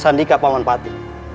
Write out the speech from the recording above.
sandika paman pati